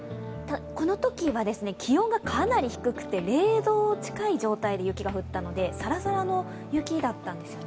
このときは気温がかなり低くて、０度近い状態で雪が降ったのでさらさらの雪だったんですね。